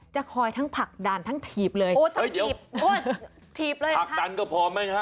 จะคอยทั้งผลักดันทั้งถีบเลยโอ้ต้องถีบถีบเลยผลักดันก็พอไหมฮะ